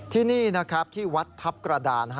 ที่นี่นะครับที่วัดทัพกระดาน